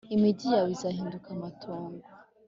Imigi yawe izahinduka amatongo